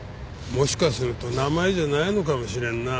もしかすると名前じゃないのかもしれんな。